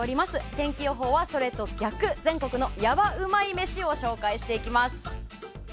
天気予報は、それと逆全国のヤワうまい飯を紹介していきます。